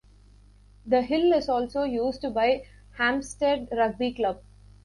The Hill is also used by Hampstead Rugby Club.